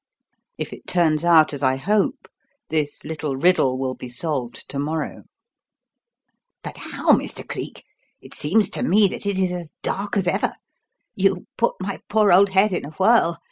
If it turns out as I hope, this little riddle will be solved to morrow." "But how, Mr. Cleek? It seems to me that it is as dark as ever. You put my poor old head in a whirl.